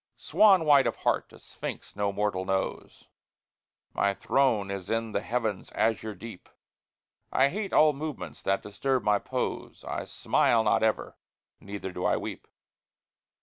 Swan white of heart, a sphinx no mortal knows, My throne is in the heaven's azure deep; I hate all movements that disturb my pose, I smile not ever, neither do I weep.